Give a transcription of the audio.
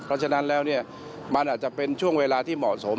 เพราะฉะนั้นแล้วเนี่ยมันอาจจะเป็นช่วงเวลาที่เหมาะสม